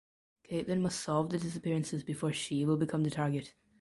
Caitlin must solve the disappearances before she will become the target.